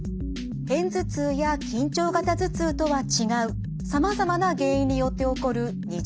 片頭痛や緊張型頭痛とは違うさまざまな原因によって起こる二次性頭痛。